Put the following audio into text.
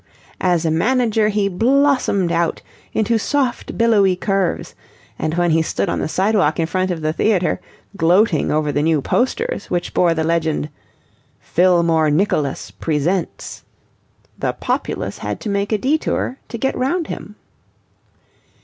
As a manager he blossomed out into soft billowy curves, and when he stood on the sidewalk in front of the theatre, gloating over the new posters which bore the legend, FILLMORE NICHOLAS PRESENTS the populace had to make a detour to get round him.